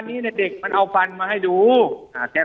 นี้น่ะเด็กมันเอาฟันมาให้มันให้ดู